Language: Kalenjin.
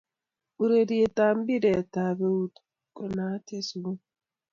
Urerietab mpiretab euut ko naat eng sukul